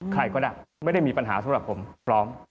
ใครก็ได้ไม่ได้มีปัญหาสำหรับผมพร้อม